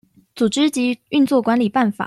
組織及運作管理辦法